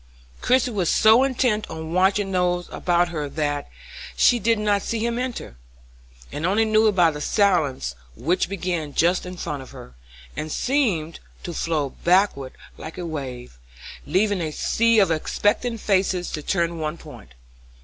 Christie was so intent on watching those about her that she did not see him enter, and only knew it by the silence which began just in front of her, and seemed to flow backward like a wave, leaving a sea of expectant faces turning to one point.